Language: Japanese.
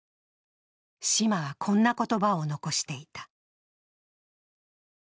島はこんな言葉を残していた。